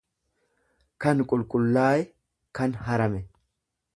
kan qulqullaaye, kan harame.